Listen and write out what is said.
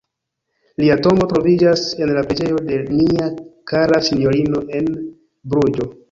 Lia tombo troviĝas en la "preĝejo de nia kara sinjorino" en Bruĝo.